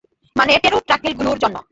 মানে, টেরোডাক্টিল গুলোর জন্য।